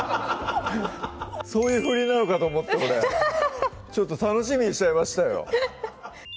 そういう振りなのかと思った俺ちょっと楽しみにしちゃいましたよ